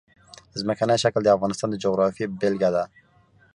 ځمکنی شکل د افغانستان د جغرافیې بېلګه ده.